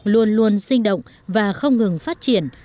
luôn luôn sinh động và không ngừng phát triển